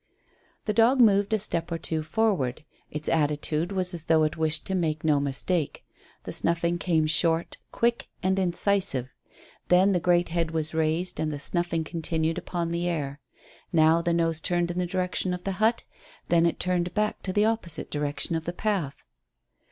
The dog moved a step or two forward. Its attitude was as though it wished to make no mistake. The snuffing came short, quick and incisive. Then the great head was raised, and the snuffing continued upon the air. Now the nose turned in the direction of the hut, then it turned back to the opposite direction of the path.